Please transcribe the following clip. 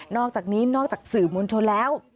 อกจากนี้นอกจากสื่อมวลชนแล้ว